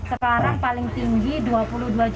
sekarang paling tinggi dua puluh dua juta